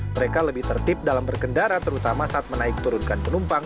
mereka lebih tertib dalam berkendara terutama saat menaik turunkan penumpang